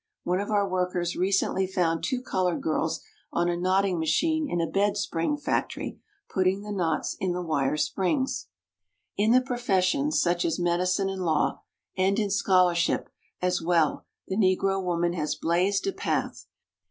One of our workers recently found two colored girls on a knotting ma chine in a bed spring factory, putting the knots in the wire springs." In the professions, such as medicine and law, and in scholarship as well, the Negro woman has blazed a path.